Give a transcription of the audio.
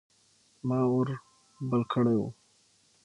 ما اور بل کړی و.